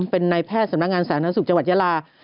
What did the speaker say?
เป็นนายแพทย์สำนักงานสาธารณสุขจังหวัดยาลา